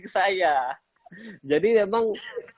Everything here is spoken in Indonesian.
ke saya jadi emang